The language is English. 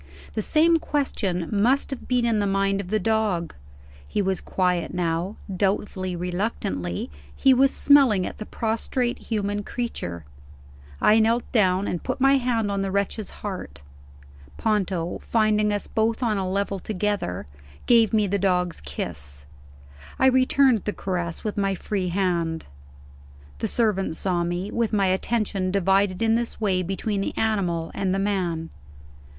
The same question must have been in the mind of the dog. He was quiet now. Doubtfully, reluctantly, he was smelling at the prostrate human creature. I knelt down, and put my hand on the wretch's heart. Ponto, finding us both on a level together, gave me the dog's kiss; I returned the caress with my free hand. The servant saw me, with my attention divided in this way between the animal and the man.